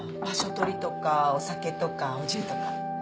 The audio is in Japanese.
場所取りとかお酒とかお重とか。